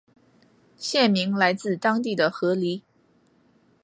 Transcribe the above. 县名来自当地的河狸。